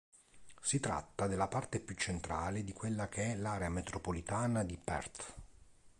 Si tratta della parte più centrale di quella che è l'area metropolitana di Perth.